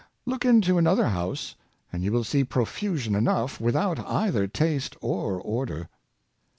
Look into another house, and you will see profusion enough, without either taste or order.